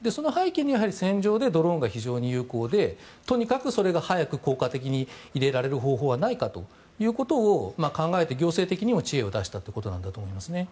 その背景には戦場でドローンが非常に有効でとにかくそれを早く入れられる方法はないかということで考えて行政的にも知恵を出したということなんだと思いますね。